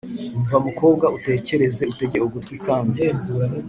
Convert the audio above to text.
Umva mukobwa utekereze utege ugutwi Kandi